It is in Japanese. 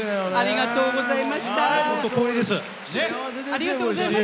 ありがとうございます。